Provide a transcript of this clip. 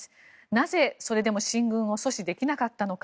なぜそれでも進軍を阻止できなかったのか。